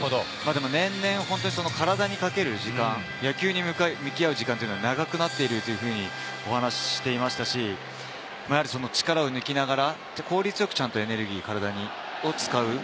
年々、本当に体にかける時間、野球に向き合う時間というのが長くなっているというふうにお話していましたし、やはり力を抜きながら、効率よくちゃんと体のエネルギーを使う。